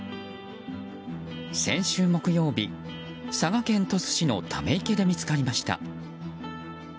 先週木曜日、佐賀県鳥栖市のため池で見つかりました。